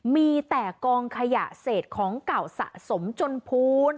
มีแต่กองขยะเศษของเก่าสะสมจนพูน